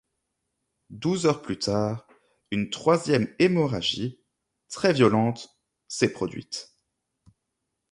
Douze heures plus tard, une troisième hémorragie, très violente, s'est produite.